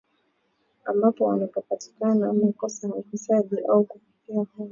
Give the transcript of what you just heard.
ambapo wanaopatikana na makosa ya ufisadi au kupokea hongo wanahukumiwa kifo